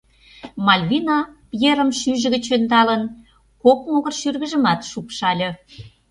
Мальвина Пьером шӱйжӧ гыч ӧндалын, кок могыр шӱргыжымат шупшале.